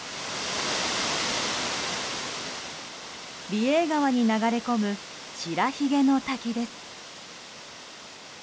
美瑛川に流れ込む白ひげの滝です。